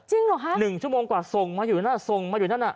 เหรอคะ๑ชั่วโมงกว่าส่งมาอยู่นั่นส่งมาอยู่นั่นน่ะ